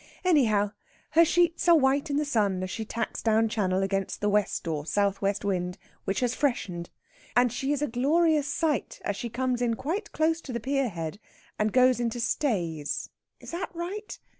Anyhow, her sheets are white in the sun, as she tacks down channel against the west or south west wind, which has freshened. And she is a glorious sight as she comes in quite close to the pier head, and goes into stays (is that right?)